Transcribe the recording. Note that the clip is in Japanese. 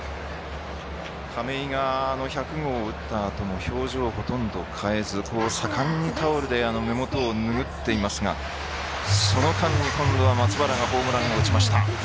亀井が１００号を打ったあとも表情をほとんど変えず盛んにタオルで目元を拭っていますがその間に今度は松原がホームランを打ちました。